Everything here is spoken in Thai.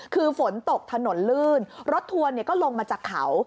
คือฝนตกถนนลื่นรถทัวร์ก็ลงมาจากเขา